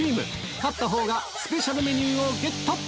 勝ったほうがスペシャルメニューをゲット。